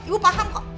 ibu paham kok